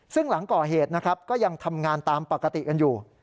ซึ่งหลังก่อเหตุนะครับก็ยังทำงานตามปกติกันอยู่